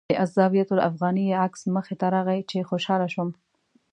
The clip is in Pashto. د الزاویة الافغانیه عکس مخې ته راغی چې خوشاله شوم.